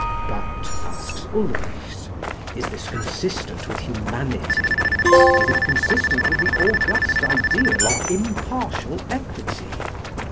But, asks Ulrichs, is this consistent with humanity, is it consistent with the august ideal of impartial equity?